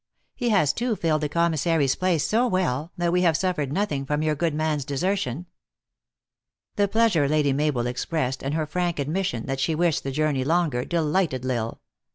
He has, too, filled the commissary s place so well, that we have suffered nothing from your good man s desertion." The pleasure Lady Mabel expressed, and her frank admission that she wished the journey longer, delight ed L Isle.